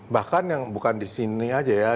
bahkan yang bukan di sini aja ya